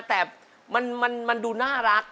แต่มันดูน่ารัก